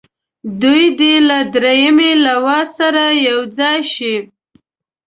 دوی دې له دریمې لواء سره یو ځای شي.